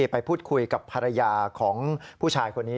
ไปพูดคุยกับภรรยาของผู้ชายคนนี้